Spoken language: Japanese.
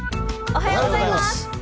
おはようございます。